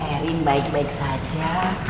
erin baik baik saja